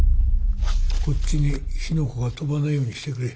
こっちに火の粉が飛ばないようにしてくれ。